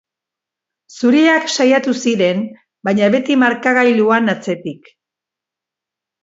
Zuriak saiatu ziren, baina beti markagailuan atzetik.